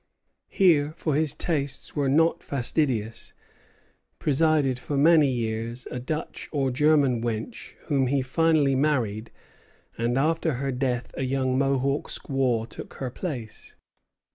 Here for his tastes were not fastidious presided for many years a Dutch or German wench whom he finally married; and after her death a young Mohawk squaw took her place.